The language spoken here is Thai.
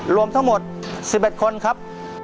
รวมทั้งหมด๑๑คนครับ